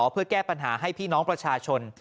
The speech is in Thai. เพื่อแก้ปัญหาให้พี่น้องประชาชน